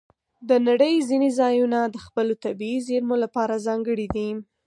د نړۍ ځینې ځایونه د خپلو طبیعي زیرمو لپاره ځانګړي دي.